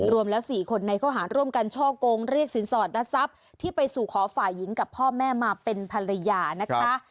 รวมแล้ว๔คนในข้อหารร่วมกันช่อกงเรียกสินสอดและทรัพย์ที่ไปสู่ขอฝ่ายหญิงกับพ่อแม่มาเป็นภรรยานะคะ